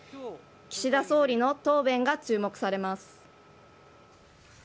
岸田総理の答弁が注目されます。